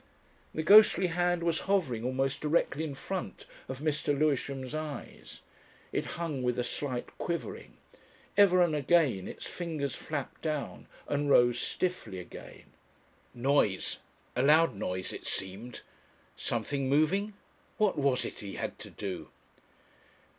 The ghostly hand was hovering almost directly in front of Mr. Lewisham's eyes. It hung with a slight quivering. Ever and again its fingers flapped down and rose stiffly again. Noise! A loud noise it seemed. Something moving? What was it he had to do?